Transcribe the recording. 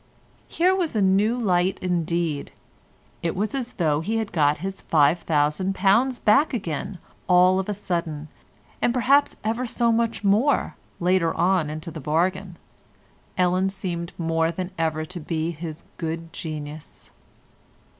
Here was a new light indeed. It was as though he had got his £5000 back again all of a sudden, and perhaps ever so much more later on into the bargain. Ellen seemed more than ever to be his good genius.